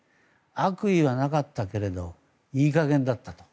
悪意はなかったけれどいい加減だったと。